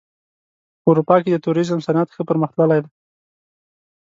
په اروپا کې د توریزم صنعت ښه پرمختللی دی.